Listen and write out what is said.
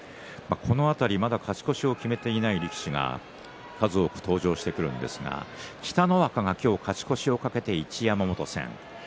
まだ勝ち越しを決めていない力士が数多く登場してくるんですが北の若が今日勝ち越しを懸けて一山本戦。